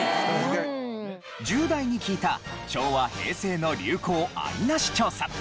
１０代に聞いた昭和・平成の流行アリナシ調査。